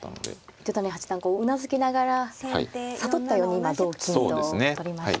糸谷八段うなずきながら悟ったように今同金と取りました。